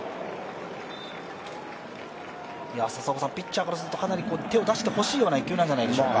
ピッチャーからすると、かなり手を出してほしいような１球なんじゃないでしょうか。